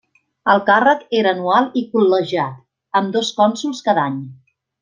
El càrrec era anual i col·legiat, amb dos cònsols cada any.